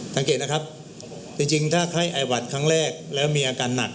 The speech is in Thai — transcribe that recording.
สังเกตนะครับจริงถ้าไข้ไอหวัดครั้งแรกแล้วมีอาการหนัก